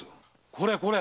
これこれ！